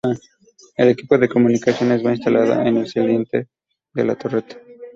El equipo de comunicaciones va instalado en el saliente de la torreta.